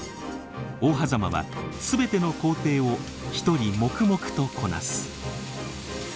大峽は全ての工程を一人黙々とこなす。